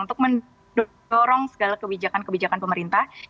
untuk mendorong segala kebijakan kebijakan pemerintah